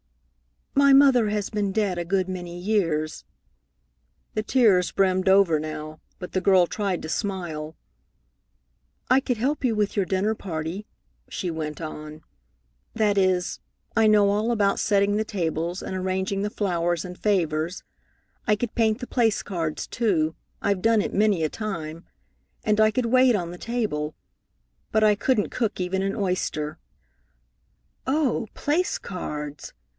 "My mother has been dead a good many years." The tears brimmed over now, but the girl tried to smile. "I could help you with your dinner party," she went on. "That is, I know all about setting the tables and arranging the flowers and favors. I could paint the place cards, too I've done it many a time. And I could wait on the table. But I couldn't cook even an oyster." "Oh, place cards!"